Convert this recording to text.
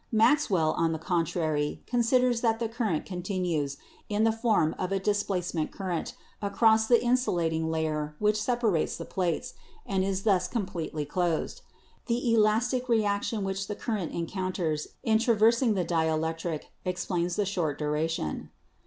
Maxwell, on the contrary, considers that the current continues, in the form of a displacement current, across the insulating layer which separates the plates, and is thus completely closed. The elastic reaction which the current encounters in traversing the dielectric explains its short duration.